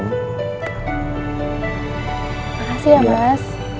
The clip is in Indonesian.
makasih ya mas